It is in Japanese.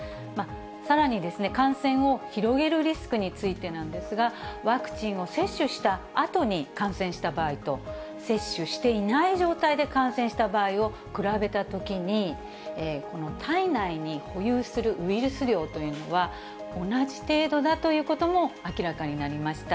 さらに感染を広げるリスクについてなんですが、ワクチンを接種したあとに感染した場合と、接種していない状態で感染した場合を比べたときに、この体内に保有するウイルス量というのは、同じ程度だということも明らかになりました。